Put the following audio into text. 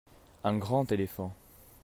un grand éléphant.